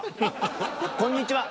こんにちは。